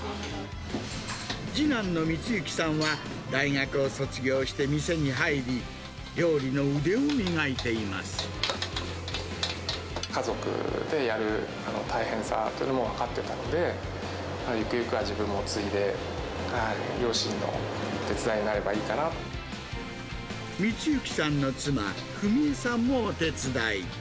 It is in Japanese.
次男の光幸さんは、大学を卒業して店に入り、料理の腕を磨いてい家族でやる大変さというのも分かってたので、ゆくゆくは自分も継いで、光幸さんの妻、史枝さんもお手伝い。